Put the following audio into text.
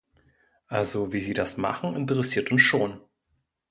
Also wie Sie das machen, interessiert uns schon.